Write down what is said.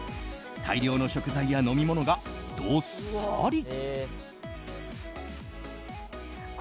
大量の食材や飲み物がどっさり！